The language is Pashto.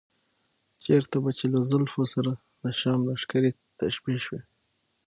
چېرته به چې له زلفو سره د شام لښکرې تشبیه شوې.